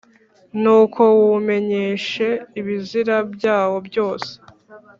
Nuko wumenyeshe ibizira byawo byose